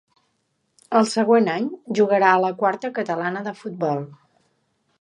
El següent any jugarà a la Quarta catalana de futbol.